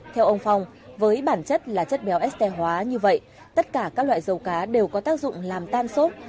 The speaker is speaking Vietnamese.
theo ông phong với bản chất là chất béo st hóa như vậy tất cả các loại dầu cá đều có tác dụng làm tan sốt